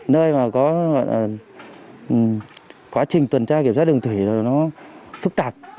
nơi mà có quá trình tuần tra kiểm soát đường thủy nó phức tạp